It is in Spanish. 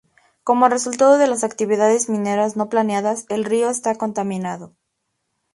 Como resultado de las actividades mineras no planeadas, el río está contaminado.